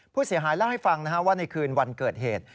ผู้เสียหายเล่าให้ฟังว่าในคืนวันเกิดเหตุ